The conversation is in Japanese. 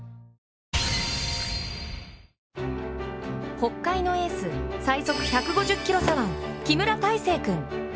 北海のエース、最速１５０キロ左腕、木村大成君。